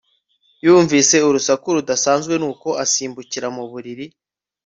Yumvise urusaku rudasanzwe nuko asimbukira mu buriri